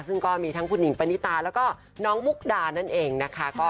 ซึ่งก็มีทั้งคุณหิงปณิตาแล้วก็น้องมุกดานั่นเองนะคะ